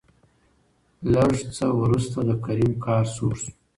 لېږ څه ورورسته د کريم قهر سوړ شو.